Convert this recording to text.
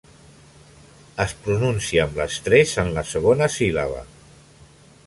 Es pronuncia amb l'estrès en la segona síl·laba.